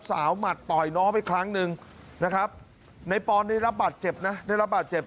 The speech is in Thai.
หมัดต่อยน้องไปครั้งหนึ่งนะครับในปอนได้รับบาดเจ็บนะได้รับบาดเจ็บ